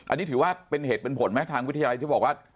อันนี้ถือว่าเป็นเหตุเป็นผลไหมทางวิทยาลัยที่บอกว่า